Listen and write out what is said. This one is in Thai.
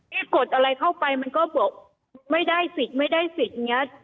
พี่กดอะไรเข้าไปมันก็บอกไม่ได้สิทธิ์ไม่ได้สิทธิ์